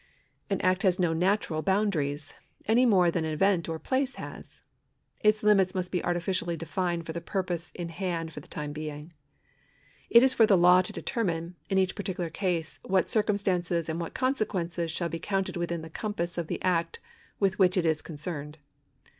An act has no natural boundaries, any more tlian an event or a place has. Its limits must be artificially defined for the purpose in hand for the time being. It is for the law to determine, in each particular case, what circumstances and what consequences shall be counted within the compass of the act with which it is concerned.